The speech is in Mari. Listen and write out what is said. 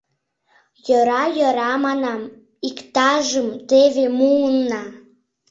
— Йӧра, йӧра, — манам, — иктажым теве муына.